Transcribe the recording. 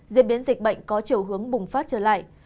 diễn biến dịch bệnh có chiều hướng bùng phát trở lại